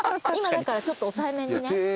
今だからちょっと抑えめにね。